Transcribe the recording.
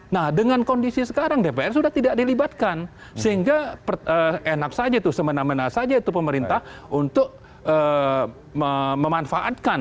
nah dengan kondisi sekarang dpr sudah tidak dilibatkan sehingga enak saja itu semena mena saja itu pemerintah untuk memanfaatkan